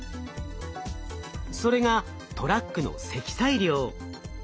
それがトラックの積載量。